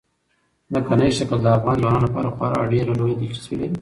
ځمکنی شکل د افغان ځوانانو لپاره خورا ډېره لویه دلچسپي لري.